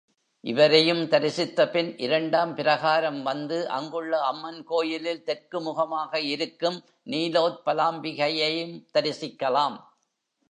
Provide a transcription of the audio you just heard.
இவரையும் தரிசித்தபின் இரண்டாம் பிரகாரம் வந்து அங்குள்ள அம்மன் கோயிலில் தெற்கு முகமாக இருக்கும் நீலோத்பலாம்பிகையையும் தரிசிக்கலாம்.